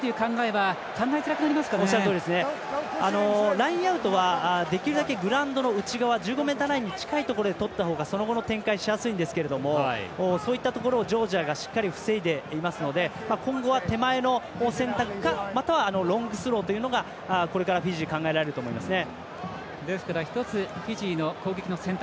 ラインアウトはできるだけグラウンドの内側１５ｍラインに近いところでとった方が、その後の展開がしやすいんですけれどもそういったところをジョージアがしっかり防いでいますので今後は、手前の選択かまたはロングスローというのがこれからフィジー考えられると思いますね。